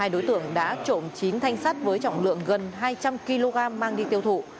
hai đối tượng đã trộm chín thanh sắt với trọng lượng gần hai trăm linh kg mang đi tiêu thụ